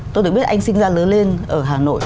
tôi được biết anh sinh ra lớn lên ở hà nội